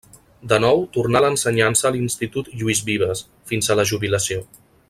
De nou tornà a l’ensenyança a l’Institut Lluís Vives, fins a la jubilació.